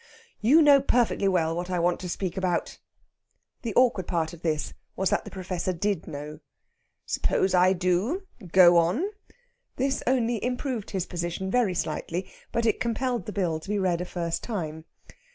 "You know perfectly well what I want to speak about." The awkward part of this was that the Professor did know. "Suppose I do; go on!" This only improved his position very slightly, but it compelled the bill to be read a first time.